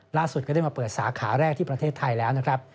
ก็ได้มาเปิดสาขาแรกที่ประเทศไทยแล้วนะครับ